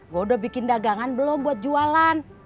gue udah bikin dagangan belum buat jualan